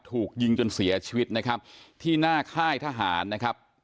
ถูกยิงจนเสียชีวิตนะครับที่หน้าค่ายทหารนะครับ